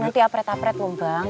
nanti apret apret loh bang